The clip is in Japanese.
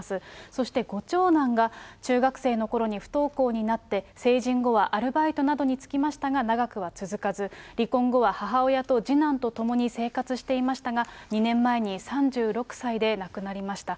そしてご長男が中学生のころに不登校になって、成人後はアルバイトなどに就きましたが、長くは続かず、離婚後は母親と次男と共に生活していましたが、２年前に３６歳で亡くなりました。